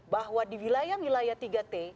bahwa di wilayah wilayah tiga t